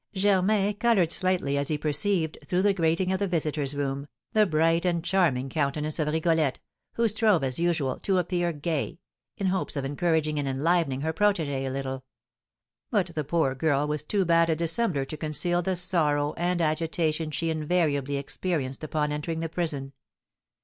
Germain coloured slightly as he perceived, through the grating of the visitor's room, the bright and charming countenance of Rigolette, who strove, as usual, to appear gay, in hopes of encouraging and enlivening her protégé a little; but the poor girl was too bad a dissembler to conceal the sorrow and agitation she invariably experienced upon entering the prison.